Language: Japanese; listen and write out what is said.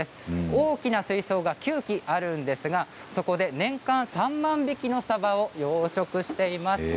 大きな水槽が９基あるんですがそこで年間３万匹のサバを養殖しています。